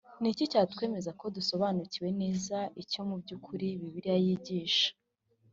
ni iki cyatwemeza ko dusobanukiwe neza icyo mu by ukuri Bibiliya yigisha